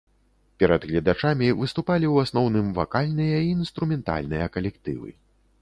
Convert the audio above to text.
Перад гледачамі выступалі ў асноўным вакальныя і інструментальныя калектывы.